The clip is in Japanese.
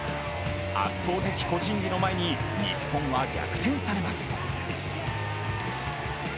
圧倒的個人技の前に日本は逆転されます。